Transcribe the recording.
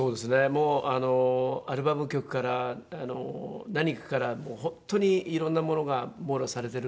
もうあのアルバム曲から何かから本当にいろんなものが網羅されてるので。